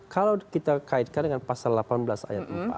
kalau kita kaitkan dengan pasal delapan belas ayat empat